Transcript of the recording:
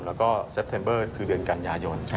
แล้วก็เซฟเทมเบอร์คือเดือนกันยายน